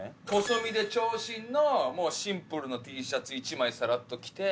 細身で長身のもうシンプルのＴシャツ１枚さらっと着て。